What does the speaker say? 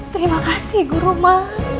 terima kasih guruma